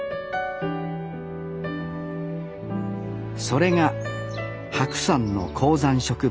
それが白山の高山植物